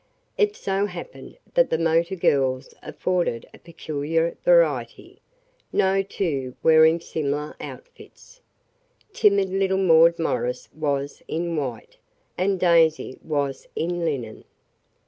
It so happened that the motor girls afforded a peculiar variety, no two wearing similar outfits. Timid little Maud Morris was in white, and Daisy was in linen.